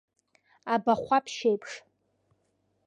Абахәаԥшь еиԥш.